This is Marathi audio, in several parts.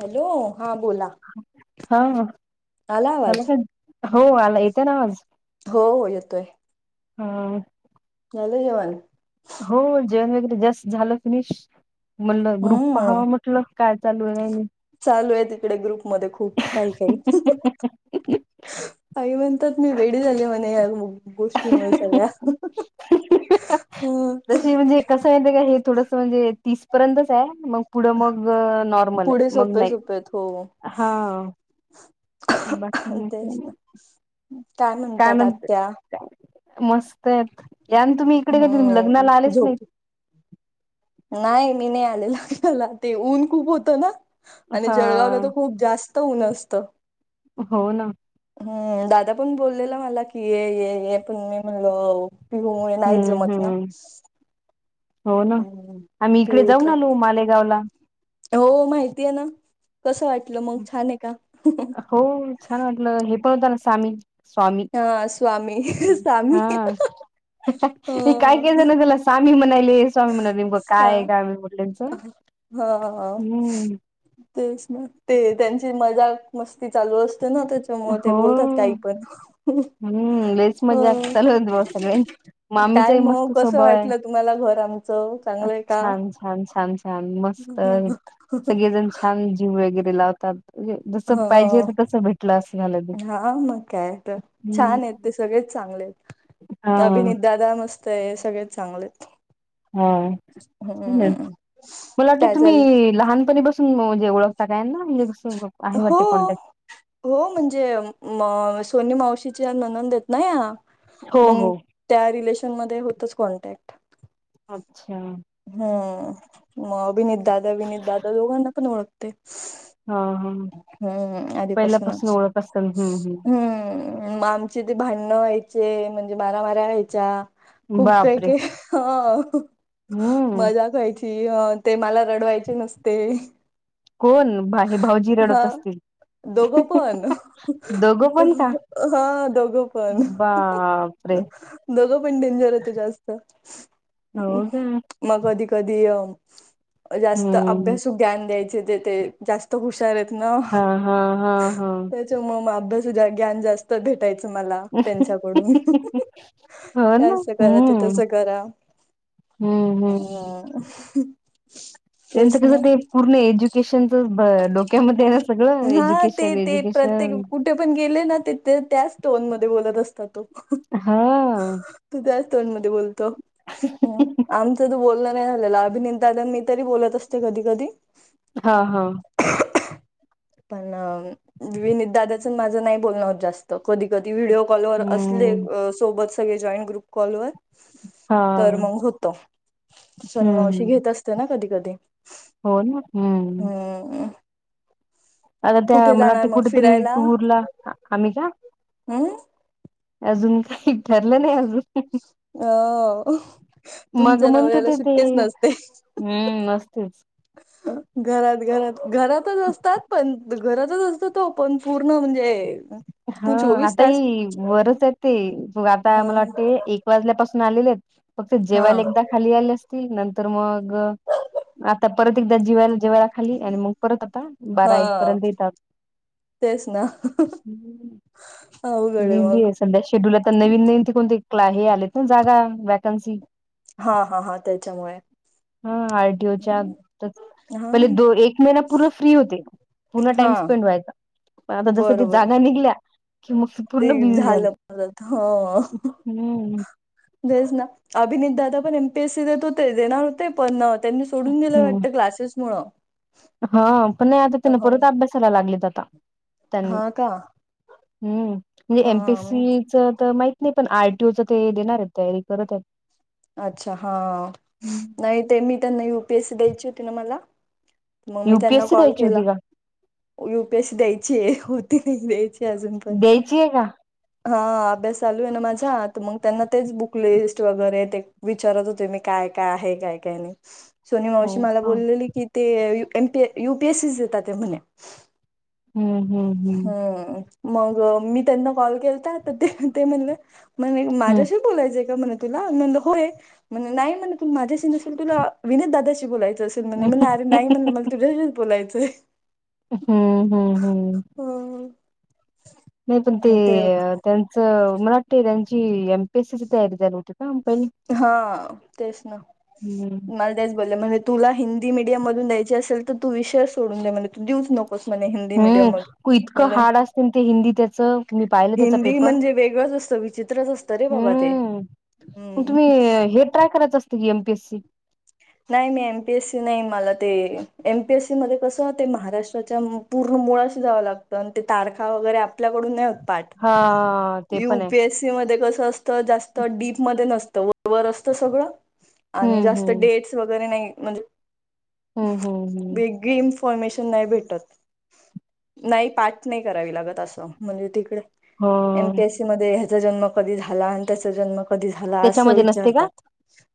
हॅलो!.. हा बोला हा.. आला.. का..? हो आला येते ना आवाज? हो.. हो येतोय हा झालं जेवण? हो जेवण वगैरे जस्ट झालं. फिनिश म्हटलं ग्रुप हम्म पाहावा मग‌ मग, काय चालू आहे आणि? चालू आहे तिकडे ग्रुप मध्ये खूप काही- काही. [inaudible] आई म्हणतात मी वेडी झाले म्हणे या.. गोष् ष्टीमुळ सगळ्या ह.. तशी म्हणजे कसं [inaudible] माहिती हे काय थोडस म्हणजे तीस पर्यंतच आहे म पुढं मग... नॉर्मल पुढे आहे मग सोपे नाही.. सोपेत हो हा.. बाकी [unintelligible] का.. तेच य.. ना काय म्हणतात आत्या म्हणते-मस्तत यान तुम्ही इकडे हम्म लग्नाला आलेच नाही. झोप नाही मी नाही आलेलं ला [inaudible] ते ऊन खूप होतं ना आणि हा जळगावला तर खूप जास्त त ऊन असतं. हो ना. हम्म दादा पण बोललेला मला की ये- ये- ये पण मी म्हणल पिहूमुळे नाही हम्म जमत ना. हम्म हो ना.. हम्म आम्ही इकडे पिऊ जाऊन त्रा आलो मालेगावला हो माहिती आहे ना.. कसं वाटलं मग छान आहे का? [inaudible] हो.. छान वाटलं हे पण होत ना सामी स्वामी हा स्वामी स्वामी हा [inaudible] हे काय ह झाण [unintelligible] त्याला स्वामी म्हणायले स्वामी म्हणाले ग सा काय का म [unintelligible] म्हटल्याचं हा हम्म तेच म ते त्यांची मजाक मस्ती चालू असते ना त्या त्यामुळं ते हो बोलतात काही पण हम्म लईच मजा ह चालू होती बघ सगळ्यांची [inaudible] काय मामीचाही मग.. मस्त कसं स्वभाव आहे वाटलं तुम्हाला घर आमचं चांगलंय का? छान -छान -छान मस्त सगळेजण छान जीव वगैरे लावतात. जस पाहिजेहोत ह तसं भेट हा.. मग काय तर.. छान आहेत. हम्म ते सगळेच चांगले आहेत, हा अभिनीत दादा मस्त आहे सगळेच चांगलेत. हा छान आहेत हम्म. मला वाटत काय तुम्ही चाललं लहानपणी पासून म्हणजे ओळखता का यांना म्हणजे कसं आहे हो. वाटते कॉन्टॅक्ट हो म्हणजे म-सोनी मावशीचे नंनददेत ना ह्या हो मग हो त्या रिलेशन मध्ये होतच कॉन्टॅक्ट. अच्छा. हम्म मग अभिनीत दादा, विनीत दादा दोघांना पण ओळखते. हा- हा. हम्म पहिल्यापासून आधीपासूनच ओळख असेल हम्म हम्म म चे ते भांडणं व्हायचे म्हणजे मारामाऱ्या व्हायच्या हम्म खूप काही बापरे काय [inaudible] ह हम्म मजाक व्हायची. इ.. हा.. ते मला रडवायचे नुसते. कोण बा- हे भाऊजी रडत असतील? दोघं पण दोघं पण का [inaudible] हा हो दोघं पण. [inaudible] बापरे दोघंपण डेंजर होते जास्त. हो का? मग कधी- कधी जास्त हम्म अभ्यासू ज्ञान द्यायचे ते -ते जास्त हूश शांततेत न हा हा हा हा त्याच्याम म अभ्यासाचं ज्ञान जास्त भेट टायच मला त्यांच्याकडून.. हो हे ना असं करा ते हम्म तसं करा. हम्म हं.... हम्म त्यांच तेच ना कसं ते पूर्ण एज्युकेशन च भ-डोक्यामध्ये आहे ना सगळं हा ते एज्युकेशन- ते प्रत्येक एज्युकेशन. कुठे पण गेले ना ति-तिथे त्याच टोन मध्ये बोलत असता तो. हा... तो त्याच टोनमध्ये बोलतो. हंम आमचं अजूंन बोलणं नाहीं झालेलं अभिनेदादा मी तरी बोलतं असतें कधीं कधीं. हां.. हां पणं विनित दादाचं माझं नाहीं बोलणं होतं जास्तं तरं कधीं -कधीं व्हिडिओ कॉलवर असले हम्म अ.. सोबतं सगळें जॉईंट ग्रुप कॉलवर हा तरं तरं मंग होतं सनीमांवशी हम्म घेतं असतें नां कधीं कधीं. हो नं हंम.. हंम हंम. आतां त्यां मले वाटतें मग कुठेतरी फिरायला टूर लां आम्हीं जा हं.. अजूंन ठरलं नाहीं अजूंन. अ मंग तुमच्या म्हणतं नवऱ्याला होती ती सुट्टीच नसते हंम.. मस्तंच.. घरांत घरांत घरातचं असतांत पणं घरातचं असतं तो पणं पूर्ण म्हणजे हां.. चोवीस आतां तास हं.. वरचं आहे ते आतां हा मलां वाटतें एक एक वाजल्यांपासूंन आलेले आहेतं फक्तं हा जेवायले एकदां खांली आले असतीलं नंतर मंग.. गं आतां परंत एकदां जिवायंला जेवायलां. खांली आणि मंग परंत आतां बारा एक पर्यंत येतातं. तेचं नां. हम्म [unintelligible] [unintelligible] बिजि आहे संध्याशी तूलां तर नवीन नवीन ते कोणते कॅरि आलीतं नां जागां वॅकन्सी हां हां हां त्यांच्या. हां आरटीओच्यां हा पहिले दो एक महिना पूर्ण फ्री होते पूर्ण हा टाईम स्पेंड व्हांयचां पणं आतां जसं त्यां बरोबर जागां निघल्यां कि मगं ते झालं परंत हं हम्म देचं नां अभिनीत दादा पणं एम पीएस सी देतं होते देणारं होते पणं हं त्यांनी सोडूंन दिलं वाटतं क्लासेस मुळं हां पणं नाहीं आतां तिनं परंत अभ्यांसायलां लागलेतं आतां हां कां हम्मं म्हणजे एम पी सी चं तरं माहितं नाहीं पणं आर टी ओ ची ते देणारं आहेतं तयारी करतं आहेतं अच्छा हां हम्म. नाहीं ते मी त्यांना यु पी एस सी द्यायंची होती नां मलां मंग मी त्यांनां युपीएससी कॉल द्यायची केलां होती का यू पी ए सी द्यायंची होती द्यायंची अजूंन पणं द्यायची आहे का हां अभ्यांस चालूं आहे नां माझां तरं मंग त्यांनां तेचं बुकलिस्ट वगैरें ते विचारतं होते मी कायं कायं आहे कायं कायं नाहीं सोनी मावशी हो मलां का. बोललेली की ते एमपीए युपीएससी येतांत ते म्हणे हम्म हम्म हम्म हम्मं मंग मी त्यांनां कॉल केलतां तरं ते म्हणलं मंग हम्म. माझ्यांशी बोलायचंय कां म्हणे तुलां म्हणलं होयं म्हणं नाहीं म्हणलं तूं माझ्यांशी नसेल तुलां विनीत दादाशी बोलायचं असेल म्हणे मलां अरे नाहीं म्हणलं मलां तुझ्यांशीच बोलायचंय हम्मं हम्मं हम्मं हां हां नाहीं पणं ते त्यांचं मलावाटते त्यांची एमपीएससीची तयारी चालूं होती का पहिली. हां तेचं नां हम्म मलां तेचं बोलले म्हंजे तुलां हिन्दी मिडीयम मधून द्यायची असेलं तरं तूं विषय सोडूंन दे म्हणे तूं देऊं नको मणे हि [unintelligible] हम्मं वं इतकं हार्ड असते ते हिन्दी त्यांचं मी पाहिलां त्यांचा हिंदी पेपर म्हणजे वेगळंच असतं विचित्रच असतं रे बाबा ते हम्मं मंग हम्म तुम्हीं हे ट्राय करतं असतीलं की एमपीएस सी नाहीं मी एम पी एस सी नाहीं मलां ते एम पी एस सी मध्यें कसं ते महाराष्ट्राच्यां पूर्ण मुळाशी जावं लागतं आणि ते तारखा वगैरे आपल्याकडून नाही होत. पाठ हा ते यु पण आहे. पीएस. मध्ये कस असतं जास्त डीप मध्ये नसतं वर वर असत सगळं. आणि हम्म जास्त हम्म डेट्स वगैरे नाही म्हणजे हम्म हम् हम् गेम फॉर्मेशन नाही भेटत. नाही पाठ नाही करावी लागत असं म्हणजे तिकडे एम हो पी एस सी मध्ये ह्याचा जन्म कधी झाला आणि त्याचा जन्म कधी झाला असं त्याच्यामध्ये नसते का विचारतात.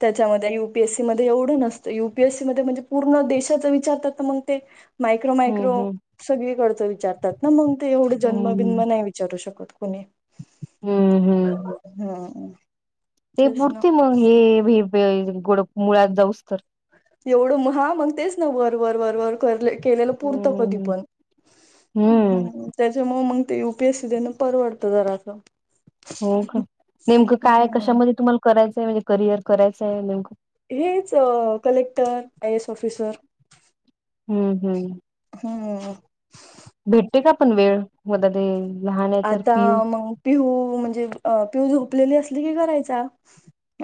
त्याच्यामध्ये युपीएसी मजी एवढं नसत यु पी एस सी मध्ये म्हणजे पूर्ण देशाच विचारत तर मग ते मायक्रो हम्म मायक्रो हम्म. सगळीकडचं विचारतात ना मग ते एवढे जन्मबिन्म हम्म नाही विचारू शकत कुणी हम्म हम्म हा ते पुरते मग हे भ गोड मुळात जाऊस तर एवढं हा मग तेच ना वर वर वर वर करले. केलेलं परत कधी हम्म पण हम्म. त्याच्यामुळ मग ते यु पी एस सी देनं परवडतं जराचं. हो का नेमकं काय हम्म कशामध्ये तुम्हाला करायचंय म्हणजे करियर करायचंय नेमकं हेच कलेक्टर आय एस ऑफिसर हम्म हम्. हम्म भेटते का आपण वेळ होत ते लहान आहे तर आता पिऊऊ मग पिहू म्हणजे पिऊू झोपलेली असली की करायचा,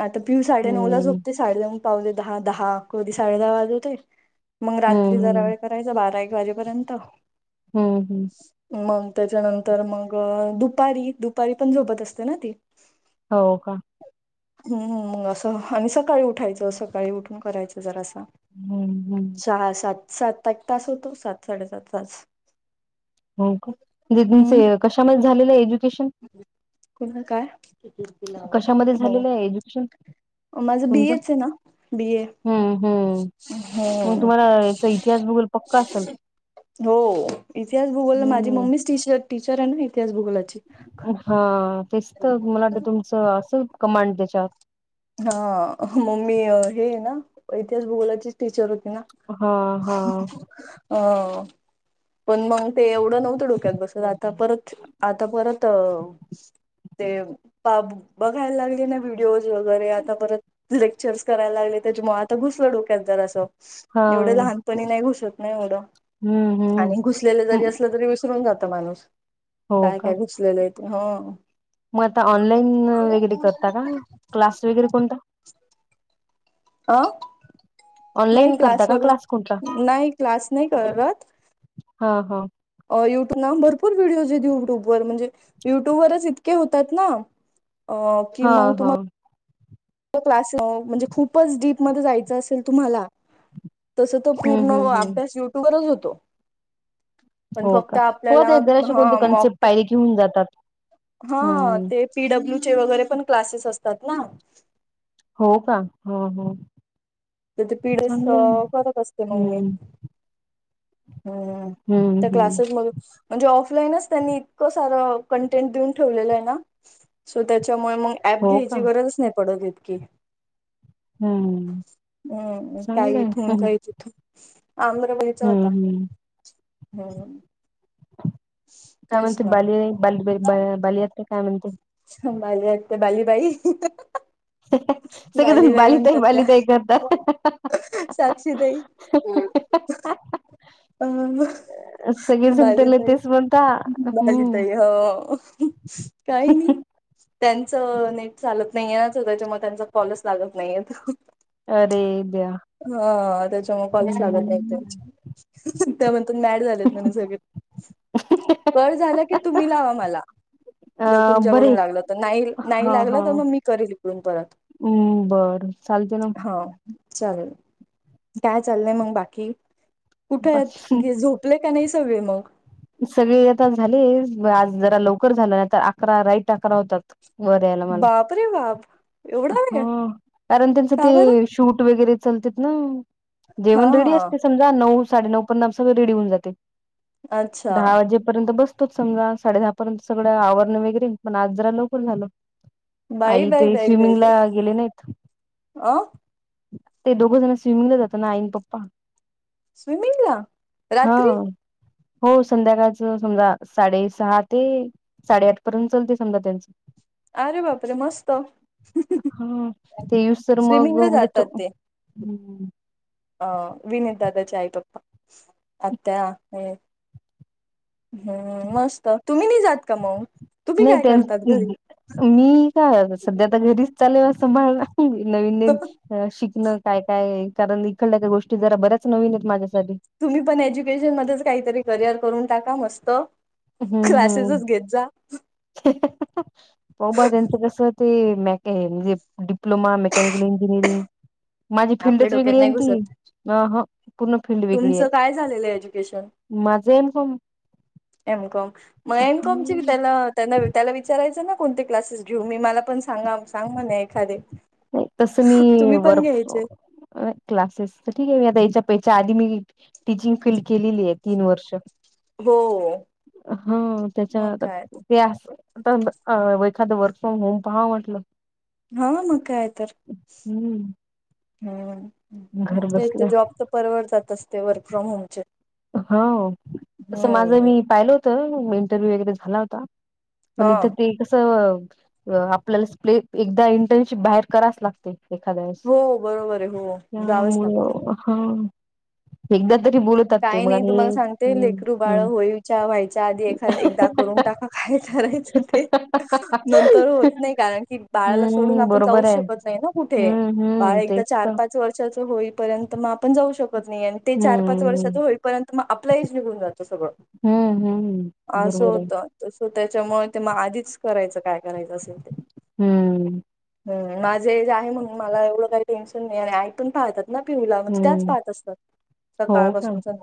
आता पिहू साडे नऊ ला हम्म झोप. ते साडे दऊग पावले दहा दहा कधी साडे दहा वाज होते. मग रात्री जरा हम्म वेळ करायचा बारा एक वाजेपर्यंत हम्म हम्म हम्म मग त्याच्यानंतर मग दुपारी दुपारी पण झोपत असते ना ती हो का? हम् मग असं आणि सकाळी उठायचं सकाळी उठून करायचं जरा असं. हम्म हम्म सहा सात सात एक तास होतो सात साडेसात तास हो का म्हणजे तुम कशामध्ये झालेलं एज्युकेशन कोण का? कशामध्ये झालेलं आहे एज्युकेशन हो माझं बी तुमचं ए च आहे ना बी ए हम्म हम्म मग हम्म तुम्हाला याचा इतिहास बघल पक्का असेल. हो इतिहास भूगोल माझी हम्म मम्मीच टी टीचर आहे ना इतिहास भूगोलाची. हा तेच तर मला वाटतं तुमचं असं कमांड त्याच्यात हा मम्मी हे ना इतिहास भुगोलाची टीचर होती. हा हा हो. पण मग ते एवढं नव्हतं डोक्यात बसत आता परत आता परत ते पा बघायला लागले ना व्हिडिओज वगैर वगैरे आता परत लेक्चर्स करायला लागले त्याच्यामुळे आता घुसलं डोक्यात जरास. हा एवढे लहानपणी नाही घुसत नाही एवढं हम्म आणि हम्म घुसलेलं जरी असलं तरी. विसरून जात माणूस हो काय का काय घुसलेलं आहे ते. ह मग आता ऑनलाईन वगैरे करता का? क्लास वगैरे कोणता? अ नाही ऑनलाईन करता क्लास का कोणता? वगर नाही क्लास नाही करत. हा हा. युट्यूब ना भरपूर व्हिडिओज येत युट्यूब वर म्हणजे, युट्यूब वरच इतके होतात ना. अ की हा मग हा तुम्हाला क्लास म्हणजे खूपच डीपमध्ये जायचं असेल तुम्हाला तस तो हम्म पूर्ण हम्म हम्म अभ्यास युट्यूबरच होतो. पण हो फक्त का हो आपल्याला ते जराशी ह कोणती कन्सेप्ट मॉक पाहिली की जातात हा हम्म ते पी डब्ल्यू चे वगैरे पण क्लासेस असतात ना हो का? हो.. हो.. तर ते पी डी एस चांगलं आहे ना करत असते मग मी हम्म हम् हम्म त्या हम्म क्लासेस मध्ये म्हणजे ऑफलाईनच त्यांनी इतकं सारं कंटेन देऊन ठेवलेलं आहे ना सो त्याच्यामुळे मग ऍप हो का घ्यायची गरजच नाही पडत इतकी हम्म हम् चांगलं काही आहे इथून हम्म काही तिथून आ [unintelligible] हम्म चालता हम्म हम् काय म्हणते ना बाल बाली आत्या काय म्हणते? बाली बाली बाई सगळेजण बाली ताई त्या बाली ताई करतात साक्षीताई हा हां अ हां सगळी जण त्याला तेच म्हणता हम्म. त हो काहीही त्यांच नेट चालत नाहीे ना त्याच्यामुळे त्यांचा कॉलच लागत नाहीय अरे दया हा त्याच्यामुळे कॉलच लागत नाही त्यां त्या म्हणतात मॅड झालेत म्हणे सगळे कट झाला की तुम्ही लावा मला अ जर बरे तुमच्याकडून लागलं तर नाही नाही हा हा लागलं तर मग मी करेन इकडून परत हम्म बरं चालते ना हा चालेल काय चाललंय मग बाकी कुठे बा- आहेत? झोप ले का नाही सगळे मग? सगळे आता झाले आज जरा लवकर झालं ना तर अकरा राईट अकरा होतात वर यायला बापरे बाप मला एवढा वेळ कारण त्यांच का बरं ते शूट वगैरे चालते ना हा जेवण रेडी असते सगळं नऊ साडे नऊ पर्यंत आमचं सगळ रेडी होऊ जाते. अच्छा दहा वाजेपर्यंत बसतोच सगळे साडे दहापर्यंत सगळं आवरण वगैरे पण आज जरा लवकर झालं बाई आई बाई ते बाई बाई स्विमिंगला बाई गेले नाहीत. अ ते दोघं जण स्विमिंगला जाते ना आई आणि पप्पा स्विमिंग! ला हा रात्री हो संध्याकाळचं समजा साडेसहा ते साडेआठ पर्यंत चालते समजा त्यांचं अरे बाप रे मस्त! हा ते येउस तर मग स्विमिंगला [unintelligible] आ विनितदादाचे आई पप्पा आत्या हमं हम्म मस्त तुम्ही नाही जात का मग? तुम्ही नाही काय करतात घरी त्यां मी का सध्या आ घरीच चालेल असं माझे हम् नवीन नवीन शिकणं काय काय कारण इकडल्या तर गोष्टी जरा बऱ्याच नवीन आहेत माझ्यासाठी तुम्ही पण एज्युकेशन मध्येच काहीतरी करिअर करून टाका मस्त. हम्म हम्म क्लासेसच घेत जा ओ बा त्यांचं कसं ते मॅक म्हणजे डिप्लोमा मेकॅनिकल इंजिनिअरिंग [inaudible] माझी आपल्या फिल्डच डोक्यात वेगळी आहे नाही ती घुसत अ पूर्ण फिल्ड वेगळी आहे तुमचं काय झालेलं माझा एम एमकॉम मग एमकॉम की त्याला त्यांना त्याला विचारायचं ना कोणते क्लासेस घेऊ मी मला पण सांगा सांग म्हणे एखादे. तस मी तुम्ही पण वर्क घ्यायचे फ्रॉम. अ य क्लासेस तर ठीक आहे मी आता याच्या पेच्या आधी मी टीचिंग फीलड केलेली आहे तीन वर्ष. हो हा मग त्याच्याता काय तर ते असं. आता एखादं वर्क फ्रॉम होम पहा म्हटलं. हा म काय यतर. हम्म. घर हम ते तर बसल्या जॉब तर परवर जात असते वर्क फ्रॉम होमचे. हो तसं माझं हम्म मी पाहिलं होतं इंटरव्ह्यू वगैरे झाला होता. हा पण इथे ते कसं आपल्याला प्ले एकदा इंटर्नशिप बाहेर कराच लागत. एक एखाद्यास हो बरोबर आहे हो जावंच त्यामुळे लागतं हो. एकदा हा एकदा तरी बोलतात. ते काय मग नाही आणि तुम्हाला सांगते हम्म लेकरू बाळ होळीच्या व्हायच्या आधी एखा एकदा हम्म करून टाका काय करायचं ते. नंतर होत नाही कारण की बाळाला सोडून हम्म आपण जाऊ बरोबर आहे. शकत नाही ना. कुठे हम्म बाळ हम्म एकदा तेच चार. तर पाच वर्षाच होईपर्यंत मग आपण जाऊ शकत नाही आणि ते चार पाच वर्षाच हम्म होईपर्यंत. तर मग अप्लाच निघून जातं सगळं हम्म हम्म असं बरोबर आहे. होतं. सो त्याच्यामुळे ते मग आधीच करायचं काय करायचं असेल ते. हम्म. हम माझंज आहे म्हण मला एवढं काही टेन्शन नाही आहे आणि ई पण पाहतात. ना पिऊला म्हणजे त्याच हम्म पाहात असतात हो सकाळ का? पाासून संध्याका.